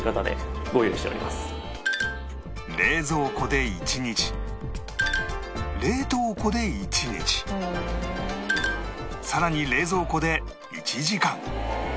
冷蔵庫で１日冷凍庫で１日さらに冷蔵庫で１時間